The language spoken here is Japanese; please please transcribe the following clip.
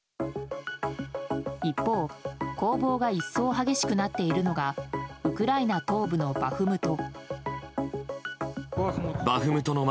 一方、攻防が一層激しくなっているのがウクライナ東部のバフムト。